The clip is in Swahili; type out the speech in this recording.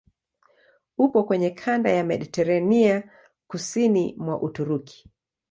Upo kwenye kanda ya Mediteranea kusini mwa Uturuki.